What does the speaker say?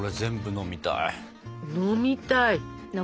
飲みたい。